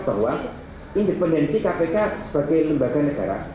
bahwa independensi kpk sebagai lembaga negara